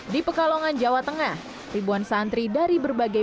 di pekalongan jawa tengah ribuan santri dari berbagai